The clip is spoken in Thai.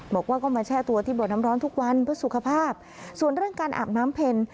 บอกว่าก็มาแช่ตัวที่บ่อน้ำร้อนทุกวันเพื่อสุขภาพส่วนเรื่องการอาบน้ำเพ็ญ